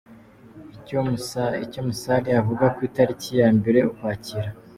Icyo Musare avuga ku itariki ya Mbere Ukwakira